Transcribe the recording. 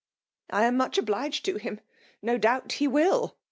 "^ I am much obliged to him !— ^no doubt he will